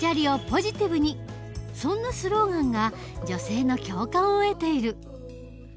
そんなスローガンが女性の共感を得ている。